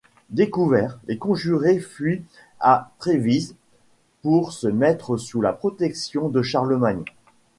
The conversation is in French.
Découverts, les conjurés fuient à Trévise pour se mettre sous la protection de Charlemagne.